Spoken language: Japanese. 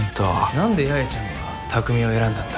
何で八重ちゃんは匠を選んだんだ？